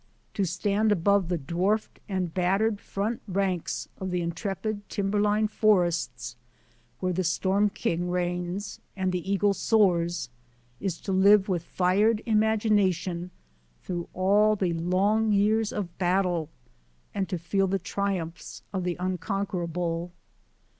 To stand above the dwarfed and battered front ranks of the intrepid timberline forests, where the Storm King reigns and the eagle soars, is to live with fired imagination through all the long years of battle, and to feel the triumphs of the unconquerable.